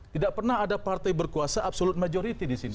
tidak pernah ada partai berkuasa absolut majority di sini